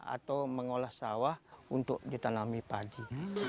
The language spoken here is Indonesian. atau mengolah sawah untuk ditanami padi